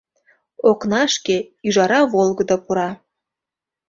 Окнашке ӱжара волгыдо пура.